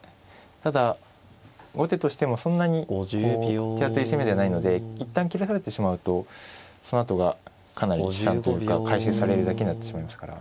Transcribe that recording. ただ後手としてもそんなにこう手厚い攻めではないので一旦切らされてしまうとそのあとがかなり悲惨というか回収されるだけになってしまいますから。